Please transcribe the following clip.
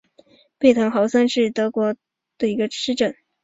贝滕豪森是德国图林根州的一个市镇。